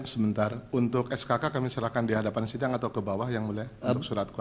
sebentar untuk skk kami serahkan di hadapan sidang atau ke bawah yang mulia untuk surat